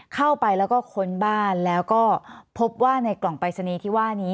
เข้าไปแล้วก็ค้นบ้านแล้วก็พบว่าในกล่องปรายศนีย์ที่ว่านี้